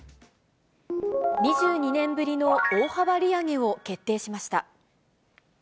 ２２年ぶりの大幅利上げを決定しました。